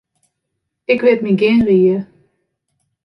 Ik wit my gjin rie.